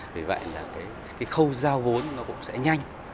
vì vậy là cái khâu giao vốn nó cũng sẽ nhanh